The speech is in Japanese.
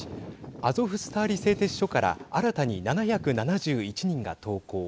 アゾフスターリ製鉄所から新たに７７１人が投降。